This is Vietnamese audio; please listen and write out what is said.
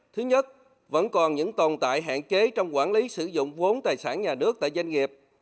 thứ nhất vẫn còn những tồn tại hạn chế trong quản lý sử dụng vốn tài sản nhà nước tại doanh nghiệp